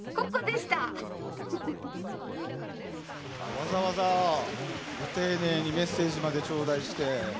わざわざご丁寧にメッセージまでちょうだいして。